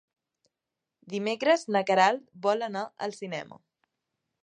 Dimecres na Queralt vol anar al cinema.